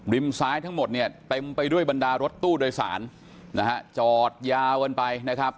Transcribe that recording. ซ้ายทั้งหมดเนี่ยเต็มไปด้วยบรรดารถตู้โดยสารนะฮะจอดยาวกันไปนะครับ